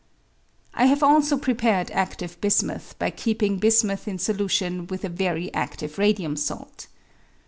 I have aho prepared adive bismuth by keeping bismuth in solution with a very acftive radium salt.